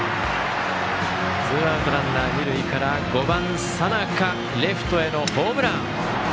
ツーアウト、ランナー、二塁から５番、佐仲レフトへのホームラン！